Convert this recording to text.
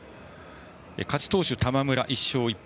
勝ち投手、玉村、１勝１敗。